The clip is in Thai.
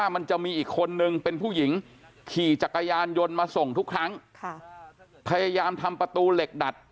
มีจักรยานยนต์มาส่งทุกครั้งพยายามทำประตูเหล็กดัด